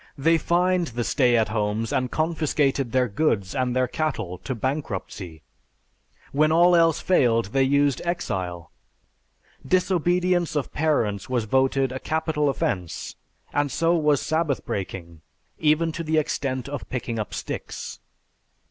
They fined the stay at homes and confiscated their goods and their cattle to bankruptcy. When all else failed they used exile. Disobedience of parents was voted a capital offense and so was Sabbath breaking even to the extent of picking up sticks.